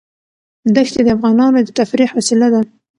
دښتې د افغانانو د تفریح وسیله ده.